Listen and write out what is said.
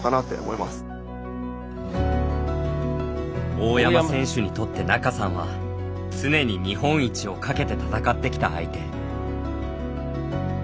大山選手にとって仲さんは常に日本一をかけて戦ってきた相手。